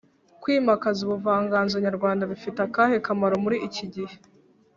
kwimakaza ubuvanganzo nyarwanda bifite akahe kamaro muri iki gihe?